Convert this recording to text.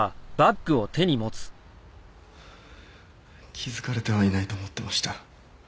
気付かれてはいないと思ってました。